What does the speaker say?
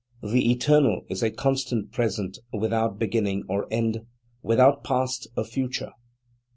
The eternal is a constant present without beginning or end, without past or future."